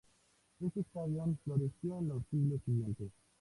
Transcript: Este studium floreció en los siglos siguientes.